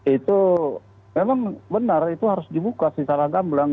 itu memang benar itu harus dibuka secara gamblang